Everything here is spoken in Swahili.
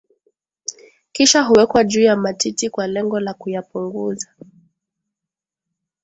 kisha huwekwa juu ya matiti kwa lengo la kuyapunguza